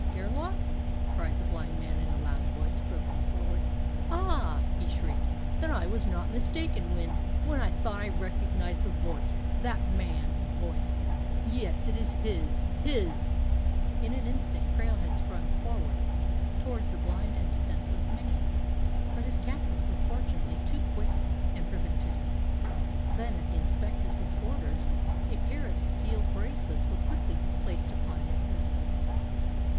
"Gerlach!" cried the blind man in a loud voice, groping forward. "Ah," he shrieked, "then I was not mistaken when when I thought I recognised the voice! That man's voice! Yes, it is his his!" In an instant Krail had sprung forward towards the blind and defenceless man, but his captors were fortunately too quick and prevented him. Then, at the inspector's orders, a pair of steel bracelets were quickly placed upon his wrists.